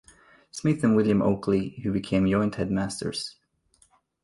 Smith and William Oakley, who became joint headmasters.